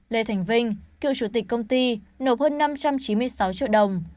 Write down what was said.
lê thành vinh cựu chủ tịch công ty nộp hơn năm trăm chín mươi sáu triệu đồng